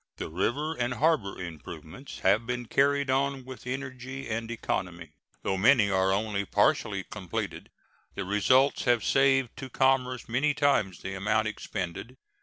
The river and harbor improvements have been carried on with energy and economy. Though many are only partially completed, the results have saved to commerce many times the amount expended.